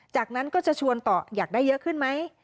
จากนั้นก็จะชวนต่ออยากได้เยอะขึ้นไหม